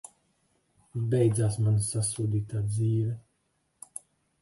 Beidzās mana sasodītā dzīve!